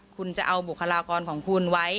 คุณจะเอาบุคลากรของคุณไว้